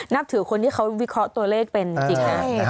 นับถือคนที่เขาวิเคราะห์ตัวเลขเป็นจริงนะ